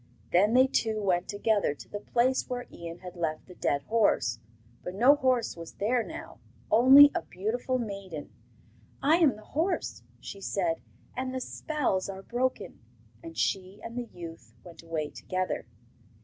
Then they two went together to the place where Ian had left the dead horse; but no horse was there now, only a beautiful maiden. 'I am the horse,' she said, 'and the spells are broken'; and she and the youth went away together.